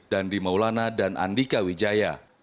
dandi maulana dan andika wijaya